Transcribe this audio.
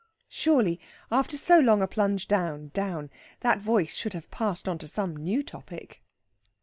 Surely, after so long a plunge down, down, that voice should have passed on to some new topic.